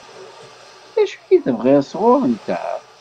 D acu i tebɣiḍ sɣur-nteɣ?